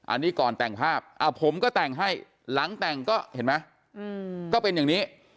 อันนี้ก่อนแต่งภาพผมก็แต่งให้หลังแต่งก็เห็นไหมก็เป็นอย่างนี้